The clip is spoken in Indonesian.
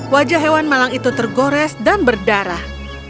wajah hewan malang itu tergores dan berdarah